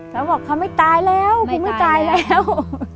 เขาบอกเขาไม่ตายแล้วกูไม่ตายแล้ว